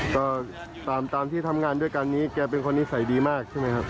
ก็ตามที่ทำงานด้วยกันนี้แกเป็นคนนิสัยดีมากใช่ไหมครับ